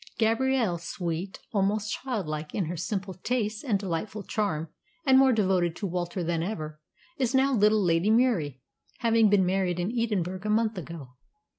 Gabrielle sweet, almost child like in her simple tastes and delightful charm, and more devoted to Walter than ever is now little Lady Murie, having been married in Edinburgh a month ago.